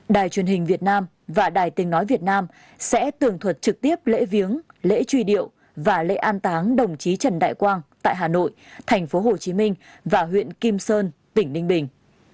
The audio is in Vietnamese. đài truyền hình việt nam và đài tình nói việt nam sẽ tường thuật trực tiếp lễ viếng lễ truy điệu và lễ an táng đồng chí trần đại quang tại hà nội tp hcm và huyện kim sơn tỉnh ninh bình